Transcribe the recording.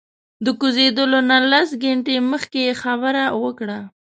د کوزیدلو نه لس ګنټې مخکې یې خبره وکړه.